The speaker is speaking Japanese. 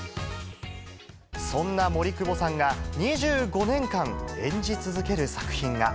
そんな森久保さんが２５年間演じ続ける作品が。